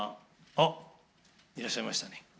あ、いらっしゃいましたね。